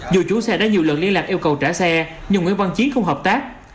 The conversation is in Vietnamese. dù chú xe đã nhiều lần liên lạc yêu cầu trả xe nhưng người văn chiến không hợp tác